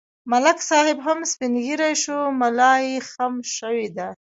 ملک صاحب هم سپین ږیری شو، ملایې خم شوې ده.